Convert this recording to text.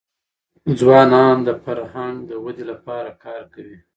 ځوانان د فرهنګ د ودې لپاره کار کوي.